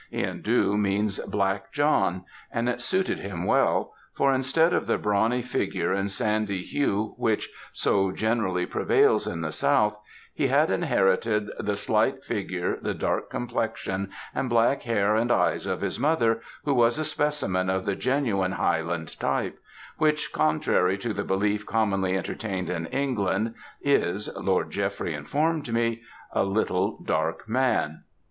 Ihan Dhu means Black John; and it suited him well; for, instead of the brawny figure and sandy hue which so generally prevails in the south, he had inherited the slight figure, the dark complexion, and black hair and eyes of his mother, who was a specimen of the genuine Highland type; which, contrary to the belief commonly entertained in England, is (Lord Jeffrey informed me), a little dark man.